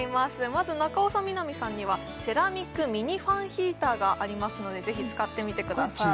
まず中尾さん南さんにはセラミックミニファンヒーターがありますのでぜひ使ってみてください